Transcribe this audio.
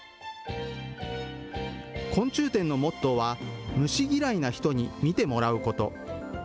昆虫展のモットーは虫嫌いな人に見てもらうこと。